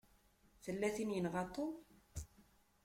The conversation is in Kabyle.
Tella tin i yenɣa Tom.